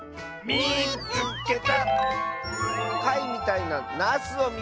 「みいつけた！」。